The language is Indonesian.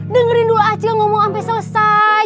dengerin dulu acil ngomong sampai selesai